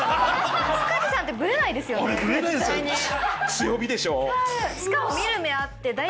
強火でしょ？